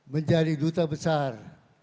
menjadi duta besar